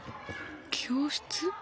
教室？